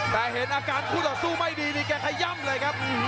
แต่เห็นอาการพวดสู้ไม่ดีนี่แค่ขยามเลยครับ